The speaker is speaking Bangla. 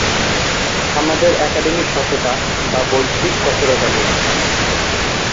আমাদের একাডেমিক সততা বা বৌদ্ধিক কঠোরতা নেই।